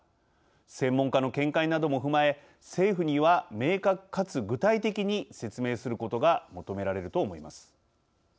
専門家の見解なども踏まえ政府には、明確かつ具体的に説明することが求められると思います。